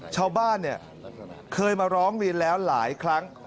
ชาวบ้านเคยมาร้องเรียนแล้วหลายครั้ง